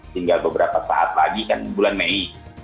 tinggal beberapa saat lagi kan bulan mei